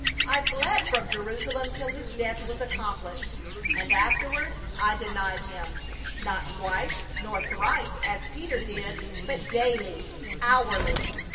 I fled from Jerusalem till his death was accomplished, and afterward I denied him, not twice nor thrice, as did Peter, but daily — hourly.